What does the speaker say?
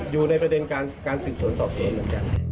อยู่ในประเด็นการสืบสวนสอบสวนเหมือนกัน